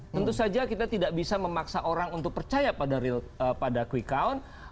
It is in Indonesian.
tentu saja kita tidak bisa memaksa orang untuk percaya pada quick count